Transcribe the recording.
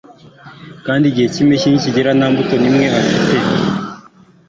kandi igihe cy'impeshyi nikigera nta mbuto n'imwe afite